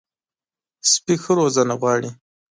سپي ښه روزنه غواړي.